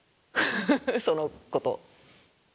その子と。